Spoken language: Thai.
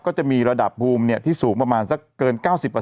ก็จะมีระดับภูมิที่สูงประมาณสักเกิน๙๐